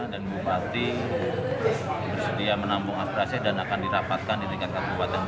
dan bupati bersedia menampung aspirasi dan akan dirapatkan di tingkat kabupaten